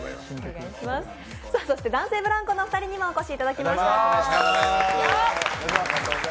そして、男性ブランコのお二人にもお越しいただきました。